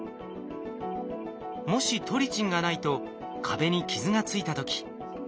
もしトリチンがないと壁に傷がついた時ウイルスが侵入。